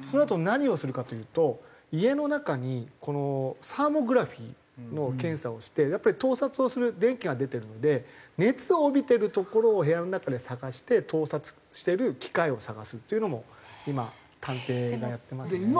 そうなると何をするかというと家の中にこのサーモグラフィーの検査をしてやっぱり盗撮をする電気が出てるので熱を帯びてる所を部屋の中で探して盗撮してる機械を探すっていうのも今探偵がやってますね。